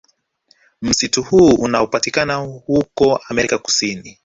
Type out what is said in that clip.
Msitu huu unaopatikana huko America kusini